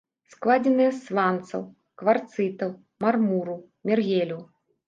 Складзеныя з сланцаў, кварцытаў, мармуру, мергелю.